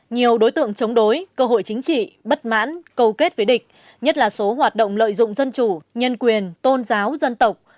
nhiều đối tượng chống đối cơ hội chính trị bất mãn cầu kết với địch nhất là số hoạt động lợi dụng dân chủ nhân quyền tôn giáo dân tộc